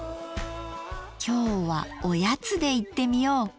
今日はおやつでいってみよう！